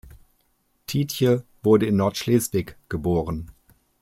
Tiedje wurde in Nordschleswig geboren.